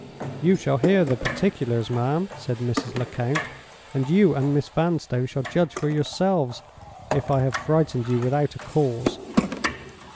"'You shall hear the particulars, ma'am,' said Mrs. Lecount; 'and you and Miss Vanstone shall judge for yourselves if I have frightened you without a cause.